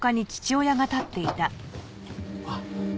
あっ。